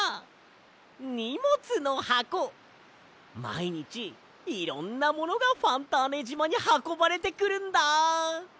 まいにちいろんなものがファンターネじまにはこばれてくるんだ！